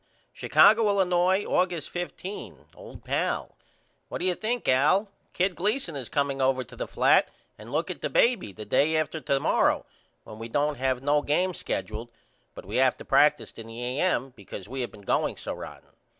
Chicago, Illinois, August 15. OLD PAL: What do you think Al. Kid Gleason is comeing over to the flat and look at the baby the day after to morrow when we don't have no game skeduled but we have to practice in the A.M. because we been going so rotten.